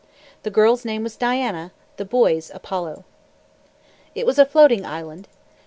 The girl's name was Diana, the boy's Apollo. It was a floating island.